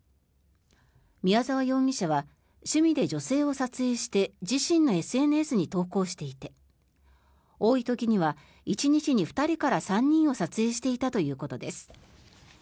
宮沢容疑者は趣味で女性を撮影して自身のＳＮＳに投稿していて多い時には１日に２人から３人を撮影していたということです。